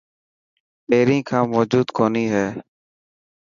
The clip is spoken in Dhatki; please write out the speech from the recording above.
پهرين کان موجون ڪوني هي.